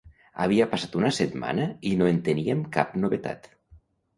Havia passat una setmana i no en teníem cap novetat.